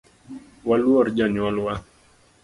Waluor jonyuol wa